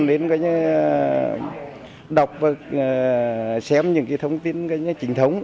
thế còn những cái thông tin bà con đến đọc và xem những cái thông tin trình thống